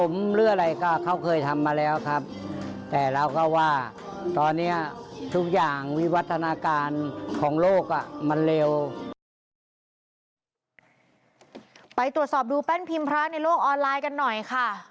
ไปตรวจสอบดูแป้นพิมพ์พระในโลกออนไลน์กันหน่อยค่ะ